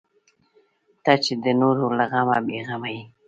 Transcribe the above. ته چې د نورو له غمه بې غمه یې.